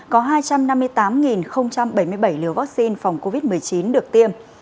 có hai trăm năm mươi tám bảy mươi bảy liều vaccine phòng covid một mươi chín được tiêm